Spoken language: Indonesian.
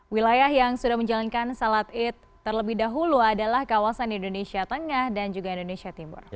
wilayah yang sudah menjalankan salat id terlebih dahulu adalah kawasan indonesia tengah dan juga indonesia timur